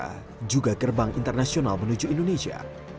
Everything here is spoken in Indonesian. jakarta juga gerbang internasional menuju indonesia